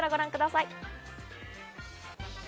こちらをご覧ください。